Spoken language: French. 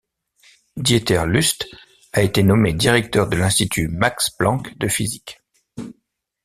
Dieter Lüst a été nommé directeur de l'institut Max-Planck de physique.